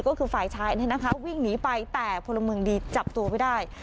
ก็คือฝ่ายชายวิ่งหนีไปแต่พลเมืองดีจับตัวไว้ได้